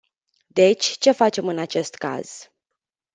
Deci, ce facem în acest caz?